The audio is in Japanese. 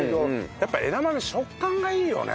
やっぱ枝豆食感がいいよね。